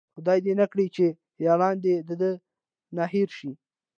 خداې دې نه کړي چې ياران د ده نه هير شي